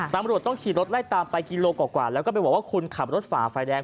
ตำรวจต้องขี่รถไล่ตามไปกิโลกว่าแล้วก็ไปบอกว่าคุณขับรถฝ่าไฟแดง